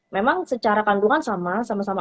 memang secara kandungan sama sama sama